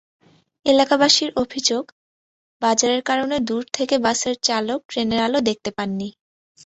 এলাকাবাসীর অভিযোগ, বাজারের কারণে দূর থেকে বাসের চালক ট্রেনের আলো দেখতে পাননি।